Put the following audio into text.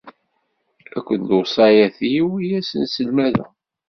Akked lewṣayat-iw i asen-sselmadeɣ.